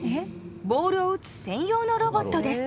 ボールを打つ専用のロボットです。